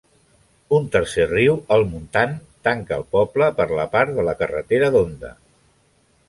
Un tercer riu, el Montant, tanca el poble per la part de la carretera d'Onda.